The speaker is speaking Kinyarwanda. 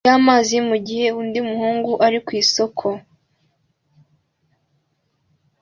y'amazi mu gihe undi muhungu ari ku isoko